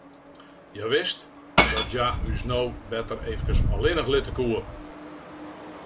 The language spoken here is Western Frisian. Hja wist dat hja ús no better efkes allinnich litte koe.